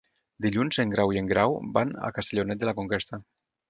Dilluns en Grau i en Guerau van a Castellonet de la Conquesta.